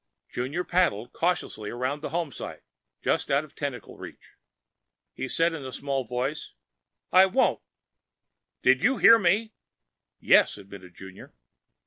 Junior paddled cautiously around the homesite, just out of tentacle reach. He said in a small voice, "I won't." "DID YOU HEAR ME?" "Yes," admitted Junior.